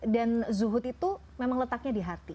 dan zuhud itu memang letaknya di hati